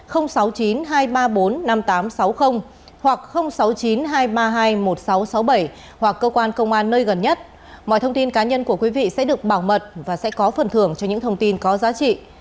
hoặc sáu mươi chín hai trăm ba mươi hai một nghìn sáu trăm sáu mươi bảy hoặc cơ quan công an nơi gần nhất mọi thông tin cá nhân của quý vị sẽ được bảo mật và sẽ có phần thưởng cho những thông tin có giá trị